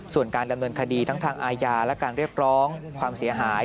ส่วนการดำเนินคดีทั้งทางอาญาและการเรียกร้องความเสียหาย